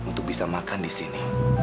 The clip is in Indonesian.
untuk bisa makan di sini